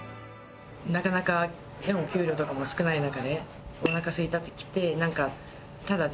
なかなかお給料とかも少ない中で「おなかすいた」って来てなんか。